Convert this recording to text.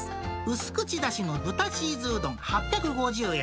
薄口だしの豚チーズうどん８５０円。